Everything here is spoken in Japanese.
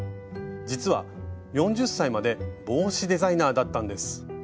実は４０歳まで帽子デザイナーだったんです。